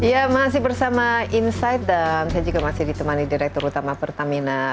ya masih bersama insight dan saya juga masih ditemani direktur utama pertamina